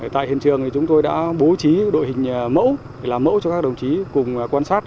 tại hiện trường chúng tôi đã bố trí đội hình mẫu làm mẫu cho các đồng chí cùng quan sát